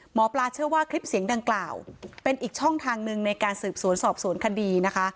หมอปลาเชื่อว่าคลิปเสียงดังกล่าวเป็นอีกช่องทางหนึ่งในการสืบสวนสอบสวนคดีนะคะ